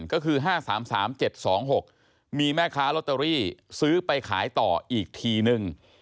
ก็คือ๕๓๓๗๒๖มีแม่ค้าลอตเตอรี่ซื้อไปขายต่ออีกทีนึง